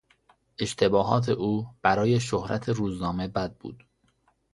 اشتباهات او برای شهرت روزنامه بد بود.